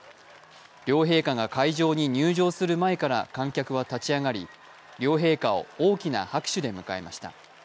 両陛下が会場に入場する前から観客は立ち上がり両陛下を大きな拍手で迎えました。